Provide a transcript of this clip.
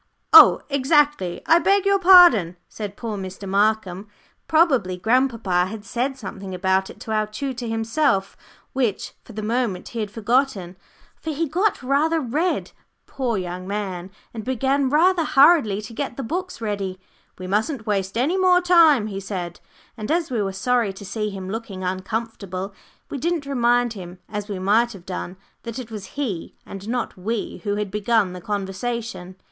"Oh, exactly I beg your pardon," said poor Mr. Markham. Probably grandpapa had said something about it to our tutor himself, which for the moment he had forgotten, for he got rather red, poor young man, and began rather hurriedly to get the books ready. "We mustn't waste any more time," he said, and, as we were sorry to see him looking uncomfortable, we didn't remind him, as we might have done, that it was he, and not we, who had begun the conversation.